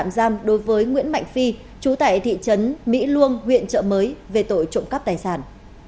giam đối với nguyễn mạnh phi chú tại thị trấn mỹ luông huyện trợ mới về tội trộm cắp tài sản